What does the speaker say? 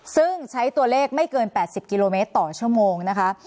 ซึ่งใช้ตัวเลขไม่เกิน๘๐กิโลเมตรต่อชั่วโมงนะคะ